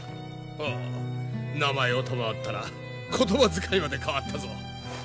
ほう名前を賜ったら言葉遣いまで変わったぞ。